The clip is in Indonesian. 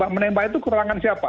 menembak itu keterangan siapa